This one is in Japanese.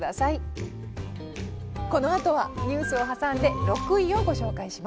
このあとはニュースを挟んで６位をご紹介します。